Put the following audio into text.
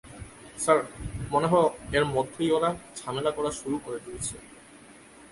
Sir, মনে হয় এর মধ্যেই ওরা ঝামেলা করা শুরু করে দিয়েছে।